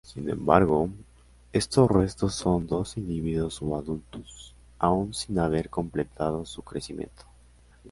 Sin embargo, estos restos son de individuos subadultos, aún sin haber completado su crecimiento.